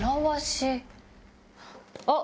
あっ！